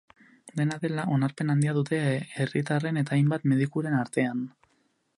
Dena dela, onarpen handia dute herritarren eta hainbat medikuren artean.